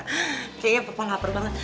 kayaknya papa lapar banget